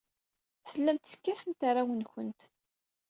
Tellamt tekkatemt arraw-nwent.